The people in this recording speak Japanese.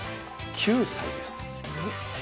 ９歳です。